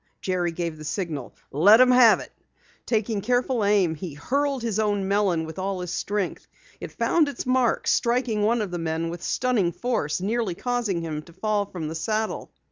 Jerry gave the signal. "Let 'em have it!" Taking careful aim, he hurled his own melon with all his strength. It found its mark, striking one of the men with stunning force, nearly causing him to fall from the saddle.